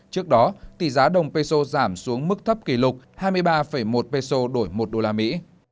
trước đó tỷ giá đồng peso giảm xuống mức thấp kỷ lục hai mươi ba một peso đổi một đô la mỹ